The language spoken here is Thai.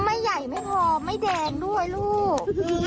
ไม่ใหญ่ไม่พอไม่แดงด้วยลูก